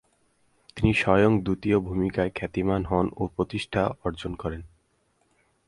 তিনি স্বয়ং দূতীর ভূমিকায় খ্যাতিমান হন ও প্রতিষ্ঠা অর্জন করেন।